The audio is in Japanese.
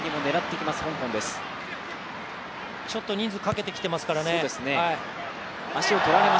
ちょっと人数かけてきていますね、香港。